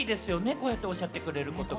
こうやっておっしゃってくれて。